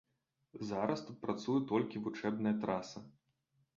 Зараз тут працуе толькі вучэбная траса.